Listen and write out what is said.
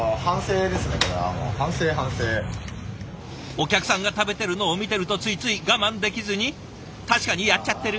お客さんが食べてるのを見てるとついつい我慢できずに確かにやっちゃってる！